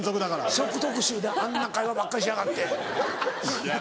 食特集であんな会話ばっかりしやがって。